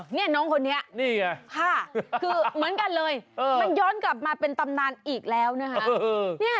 นี่น้องคนนี้นี่ไงค่ะคือเหมือนกันเลยมันย้อนกลับมาเป็นตำนานอีกแล้วนะคะ